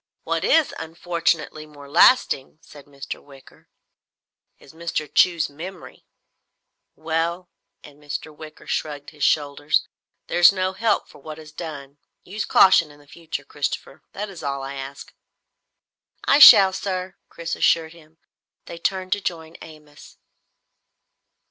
What is unfortunately more lasting," said Mr. Wicker, "is Mr. Chew's memory. Well" and Mr. Wicker shrugged his shoulders "there's no help for what is done. Use caution in the future, Christopher. That is all I ask." "I shall, sir!" Chris assured him. They turned to join Amos.